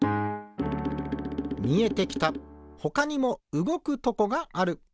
みえてきたほかにもうごくとこがある。